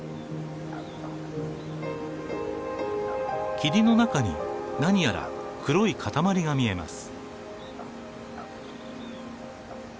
霧の中に何やら黒い塊が見えます。